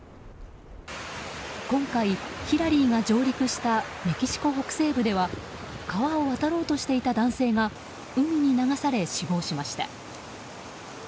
今回、ヒラリーが上陸したメキシコ北西部では川を渡ろうとしていた男性が海に流され、死亡しました。